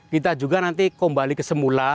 kita juga kembali kesemula